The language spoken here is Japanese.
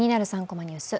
３コマニュース」